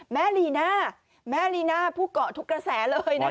ลีน่าแม่ลีน่าผู้เกาะทุกกระแสเลยนะคะ